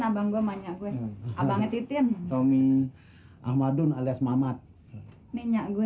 abangnya titian tommy ahmadun alias mamat minyak gue